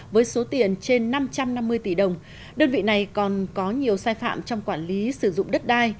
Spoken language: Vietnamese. với số tiền trên năm trăm năm mươi tỷ đồng đơn vị này còn có nhiều sai phạm trong quản lý sử dụng đất đai